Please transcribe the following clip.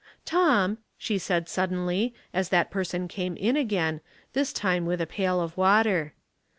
o " Tom," she said, suddenly, as that person came in again, this time with a pail of water.